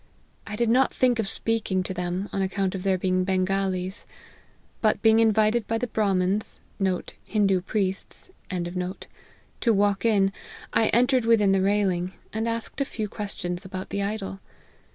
I did not think of speaking to them, on account of their being Bengalees. But, being invited by the Brahmins* to walk in, I entered within the railing, and asked a few questions about the idol.